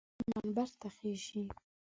هغه کسان منبر ته خېژي.